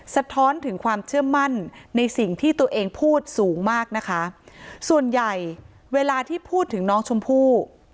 สะท้อนถึงความเชื่อมั่นในสิ่งที่ตัวเองพูดสูงมากนะคะส่วนใหญ่เวลาที่พูดถึงน้องชมพู่